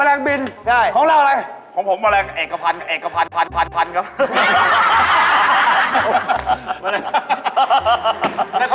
เดี๋ยวต้องซื้อติดบ้านไว้